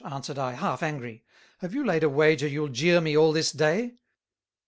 answered I half angry: "Have you laid a wager you'll jeer me all this Day?"